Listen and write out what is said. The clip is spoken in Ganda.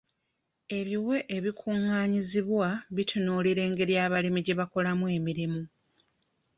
Ebiwe ebikungaanyizibwa bitunuulira engeri abalimi gye bakolamu emirimu.